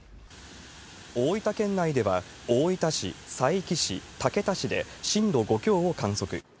大分県内では、大分市、佐伯市、竹田市で、震度５強を観測。